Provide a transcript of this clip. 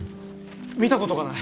見たことがない！